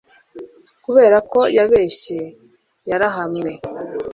kubera ko yabeshye, yarahanwe